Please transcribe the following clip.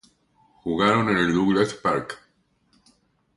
Jugaron en el Douglas Park.